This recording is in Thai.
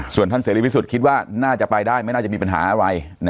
ส่วนท่านเสรีพิสุทธิ์คิดว่าน่าจะไปได้ไม่น่าจะมีปัญหาอะไร